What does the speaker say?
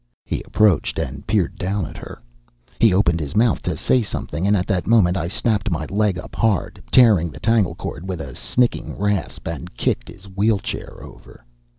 He approached and peered down at her. He opened his mouth to say something, and at that moment I snapped my leg up hard, tearing the tangle cord with a snicking rasp, and kicked his wheelchair over.